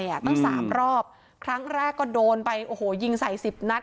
อ่ะตั้งสามรอบครั้งแรกก็โดนไปโอ้โหยิงใส่สิบนัด